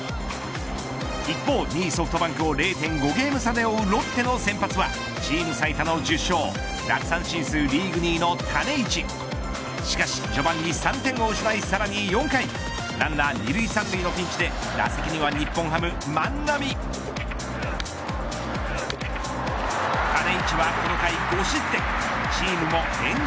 一方２位ソフトバンクを ０．５ ゲーム差で追うロッテの先発はチーム最多の１０勝奪三振数リーグ２位のの種市しかし、序盤に３点を失いさらに４回ランナー２塁３塁のピンチで睡眠サポート「グリナ」新エッセンスでもっと届きやすく完成！